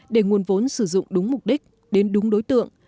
để nguồn vốn sử dụng đúng mục đích đến đúng đối tượng